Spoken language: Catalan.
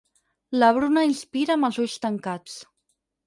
La Bruna inspira amb els ulls tancats.